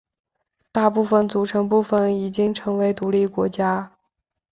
大部分组成部分已经成为独立国家。